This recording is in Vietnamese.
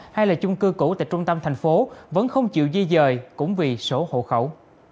hay là chung cư cũ tại trung tâm thành phố vẫn không chịu di dời cũng vì số hộ khẩu